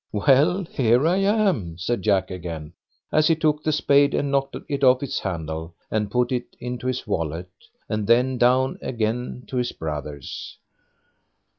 "Well, here I am", said Jack again, as he took the spade and knocked it off its handle, and put it into his wallet, and then down again to his brothers.